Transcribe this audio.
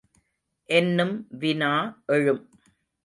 என்னும் வினா எழும்.